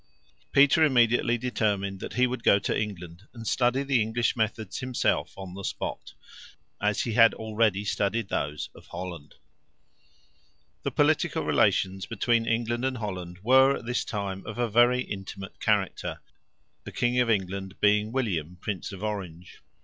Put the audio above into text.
Peter immediately determined that he would go to England, and study the English methods himself on the spot, as he had already studied those of Holland. The political relations between England and Holland were at this time of a very intimate character, the King of England being William, Prince of Orange.